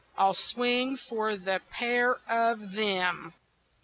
I'll swing for the pair of them.